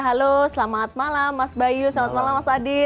halo selamat malam mas bayu selamat malam mas adi